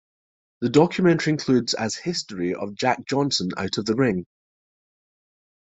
The documentary includes as history of Jack Johnson out of the ring.